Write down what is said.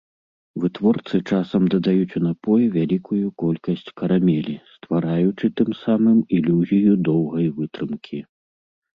Вытворцы часам дадаюць у напой вялікую колькасць карамелі, ствараючы тым самым ілюзію доўгай вытрымкі.